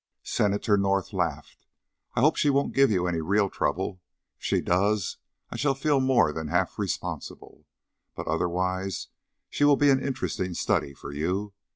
Senator North laughed. "I hope she won't give you any real trouble. If she does, I shall feel more than half responsible. But otherwise she will be an interesting study for you.